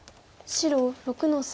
白６の三。